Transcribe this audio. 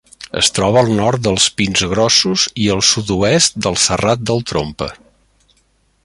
Es troba al nord dels Pins Grossos i al sud-oest del Serrat del Trompa.